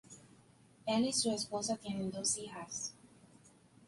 Él y su esposa tienen dos hijas.